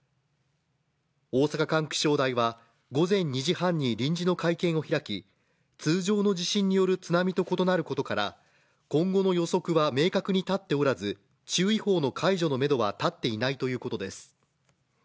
大阪管区気象台は午前２時半に臨時の会見を開き、通常の地震による津波と異なることから、今後の予測は明確に立っておらず、注意報の解除のメドは立っていないということです。